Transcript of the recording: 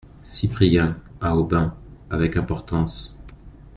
Cyprien , à Aubin, avec importance.